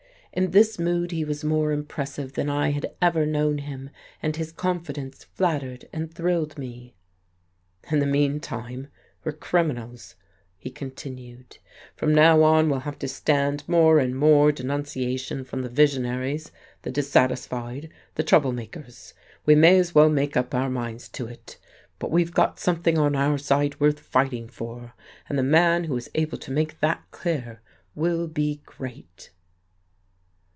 In this mood he was more impressive than I had ever known him, and his confidence flattered and thrilled me. "In the meantime, we're criminals," he continued. "From now on we'll have to stand more and more denunciation from the visionaries, the dissatisfied, the trouble makers. We may as well make up our minds to it. But we've got something on our side worth fighting for, and the man who is able to make that clear will be great."